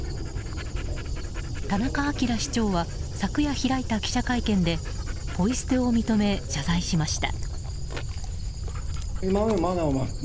田中明市長は昨夜開いた記者会見でポイ捨てを認め、謝罪しました。